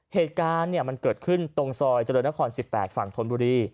เหตุการณ์มันเกิดขึ้นตรงซอยเจริญนคร๑๘ฝั่งธนบุรี